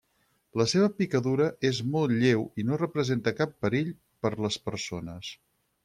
La seva picadura és molt lleu i no representa cap perill per les persones.